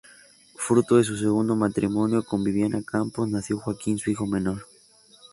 Fruto de su segundo matrimonio con Viviana Campos nació Joaquín, su hijo menor.